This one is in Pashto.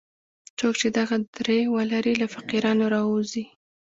څوک چې دغه درې ولري له فقیرانو راووځي.